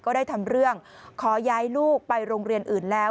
ก็ได้ทำเรื่องขอย้ายลูกไปโรงเรียนอื่นแล้ว